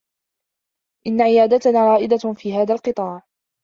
إنّ عيادتنا رائدة في هذا القطاع.